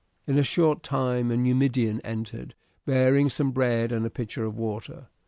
In a short time a Numidian entered, bearing some bread and a pitcher of water.